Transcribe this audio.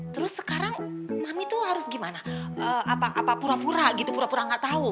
terus sekarang mami tuh harus gimana pura pura gitu pura pura gak tahu